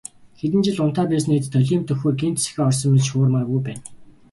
Хэдэн жил унтаа байсны эцэст олимп дөхөхөөр гэнэт сэхээ орсон мэт шуурмааргүй байна.